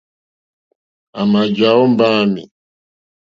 À mà jàwó mbáǃámì.